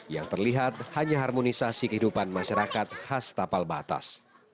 yang terlihat hanya harmonisasi kehidupan masyarakat khas tapal batas